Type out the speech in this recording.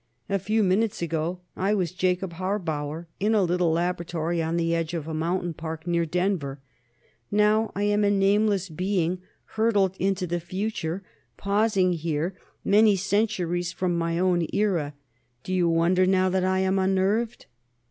A few minutes ago, I was Jacob Harbauer, in a little laboratory on the edge of a mountain park, near Denver; now I am a nameless being hurtled into the future, pausing here, many centuries from my own era. Do you wonder now that I am unnerved?"